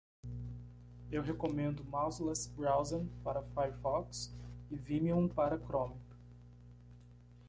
Eu recomendo Mouseless Browsing para Firefox e Vimium para Chrome.